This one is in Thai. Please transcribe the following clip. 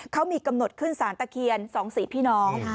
เขามีกำหนดขึ้นสารตะเคียน๒๔พี่น้อง